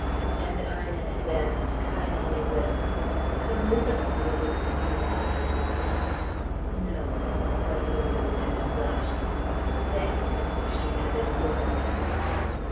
And Ina advanced kindly with: "Come with us, Lulu, if you like." "No," said Lulu, and flushed. "Thank you," she added, formally. Mrs.